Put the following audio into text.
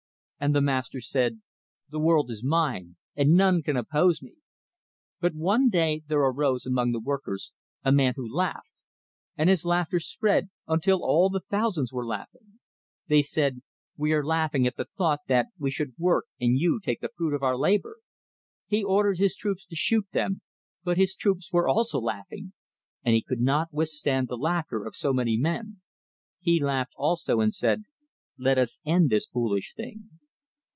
And the master said: The world is mine, and none can oppose me. But one day there arose among the workers a man who laughed. And his laughter spread, until all the thousands were laughing; they said, We are laughing at the thought that we should work and you take the fruit of our labor. He ordered his troops to shoot them, but his troops were also laughing, and he could not withstand the laughter of so many men; he laughed also, and said, let us end this foolish thing.